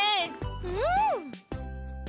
うん！